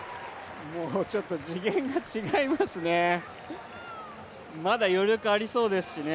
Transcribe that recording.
もうちょっと時限が違いますね。